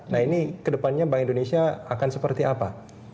nah ini kedepannya bank indonesia akan seperti apa